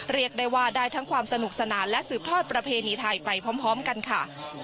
เรียกได้ว่าได้ทั้งความสนุกสนานและสืบทอดประเพณีไทยไปพร้อมกันค่ะ